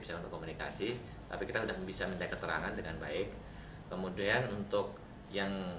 bisa untuk komunikasi tapi kita udah bisa minta keterangan dengan baik kemudian untuk yang